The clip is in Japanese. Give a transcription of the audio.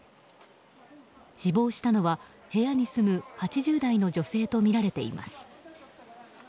死亡したのは部屋に住む８０代の女性とみられています。